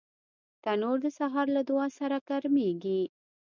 تنور د سهار له دعا سره ګرمېږي